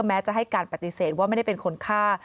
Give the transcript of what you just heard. แม้จะให้การปฏิเสธว่าไม่ได้เป็นคนฆ่า